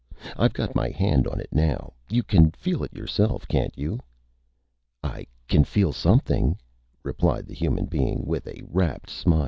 I've got my Hand on it now. You can feel it yourself, can't you?" "I can feel Something," replied the Human Being, with a rapt Smile.